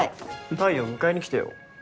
太陽迎えに来てよ。